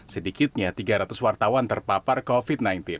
sedikitnya tiga ratus wartawan terpapar covid sembilan belas